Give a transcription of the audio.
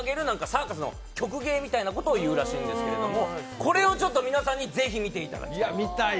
サーカスの曲芸みたいなことを言うらしいんですけどこれを皆さんにぜひ見ていただきたい。